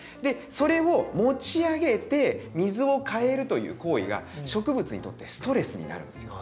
それを持ち上げて水を替えるという行為が植物にとってストレスになるんですよ。